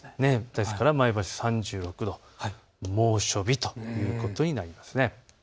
ですから前橋３６度、猛暑日ということになります。